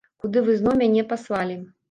Куды вы зноў мяне паслалі.